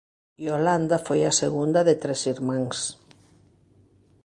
Iolanda foi a segunda de tres irmáns.